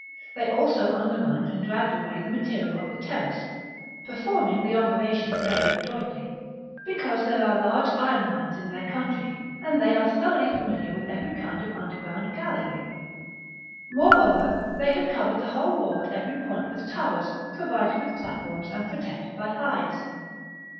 They also undermined and dragged away the material of the terrace, performing the opera tion very adroitly, because there are large iron mines in their country, and they are thoroughly familiar with every kifid of underground gallery. Moreover, they had covered the whole wall at every point with towers, provided with platforms, and protected by hides.